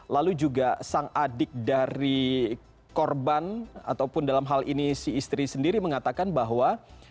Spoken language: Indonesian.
lalu juga sang adik dari korban ataupun dalam hal ini si istri sendiri mengatakan bahwa